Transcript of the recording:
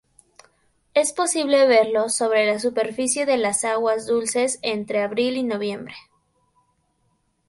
Es posible verlo sobre la superficie de las aguas dulces entre abril y noviembre.